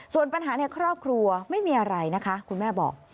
ส่วนปัญหาในครอบครัวไม่มีอะไรนะคะคุณแม่บอก